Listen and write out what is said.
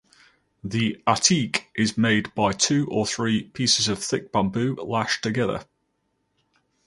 The "atiq" is made by two or three pieces of thick bamboo lashed together.